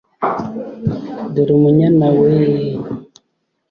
Dore umunyana weee!